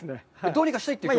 どうにかしたいという？